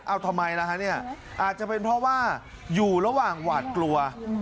เอาทำไมล่ะฮะเนี่ยอาจจะเป็นเพราะว่าอยู่ระหว่างหวาดกลัว